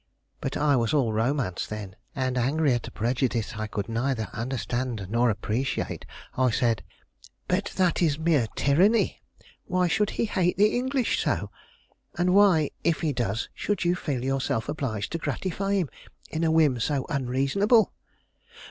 But I was all romance then, and, angry at a prejudice I could neither understand nor appreciate, I said: "But that is mere tyranny! Why should he hate the English so? And why, if he does, should you feel yourself obliged to gratify him in a whim so unreasonable?"